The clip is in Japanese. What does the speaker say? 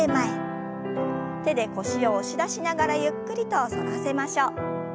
手で腰を押し出しながらゆっくりと反らせましょう。